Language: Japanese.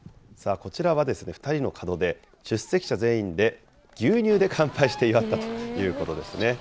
こちらは２人の門出、出席者全員で牛乳で乾杯して祝ったということですね。